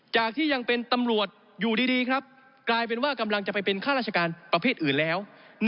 จากที่ยังเป็นตำรวจอยู่ดีครับกลายเป็นว่ากำลังจะไปเป็นข้าราชการประเภทอื่นแล้ว